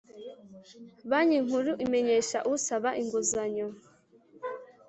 Banki Nkuru imenyesha usaba inguzanyo